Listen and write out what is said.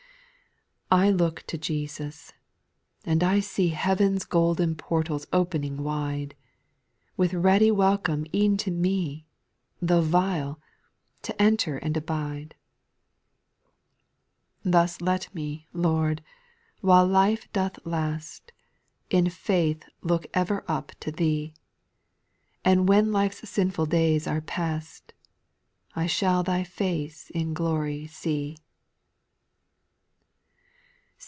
9. I look to Jesus, and I see Heaven's golden portals opening wide, "With readv welcome e'en to me, Tho' vile, to enter and abide. 10. Thus let me. Lord, while life doth last, In faith look ever up to Thee, And when life's sinful days are past, I shall Thy face in glory see.